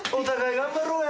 ・頑張ろうや。